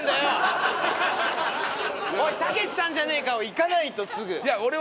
「おいたけしさんじゃねえか！」をいかないとすぐ。